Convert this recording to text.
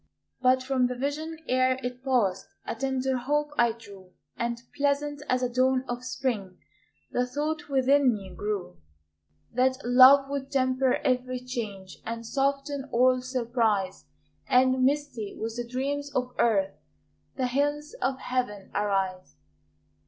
But from the vision ere it passed A tender hope I drew, And, pleasant as a dawn of spring, The thought within me grew, That love would temper every change, And soften all surprise, And, misty with the dreams of earth, The hills of Heaven arise.